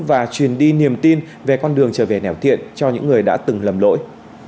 và truyền đi niềm tin về con đường trở về nẻo thiện cho những người đã từng lầm lỗi